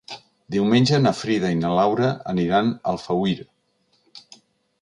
Diumenge na Frida i na Laura aniran a Alfauir.